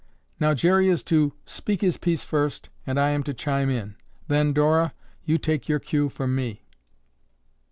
Now Jerry is to speak his piece first and I am to chime in. Then, Dora, you take your cue from me."